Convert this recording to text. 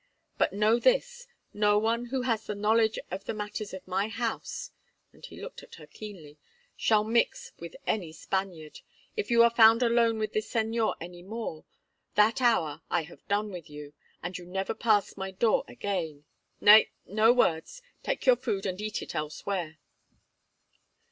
But know this—no one who has knowledge of the matters of my house," and he looked at her keenly, "shall mix with any Spaniard. If you are found alone with this señor any more, that hour I have done with you, and you never pass my door again. Nay, no words. Take your food and eat it elsewhere."